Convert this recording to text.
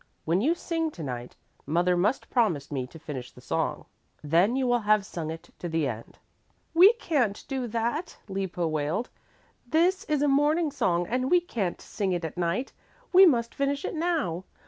When you sing to night, mother must promise me to finish the song. Then you will have sung it to the end." "We can't do that," Lippo wailed. "This is a morning song and we can't sing it at night. We must finish it now.